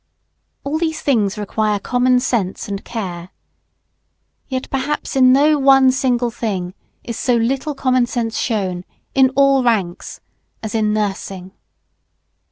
All these things require common sense and care. Yet perhaps in no one single thing is so little common sense shown, in all ranks, as in nursing.